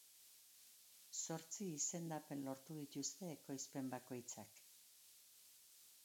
Zortzi izendapen lortu dituzte ekoizpen bakoitzak.